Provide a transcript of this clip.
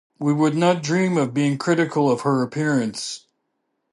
We would not dream of being critical of her appearance.